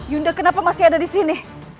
yunda kenapa masih ada disini